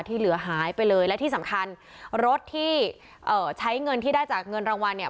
ที่เหลือหายไปเลยและที่สำคัญรถที่เอ่อใช้เงินที่ได้จากเงินรางวัลเนี่ย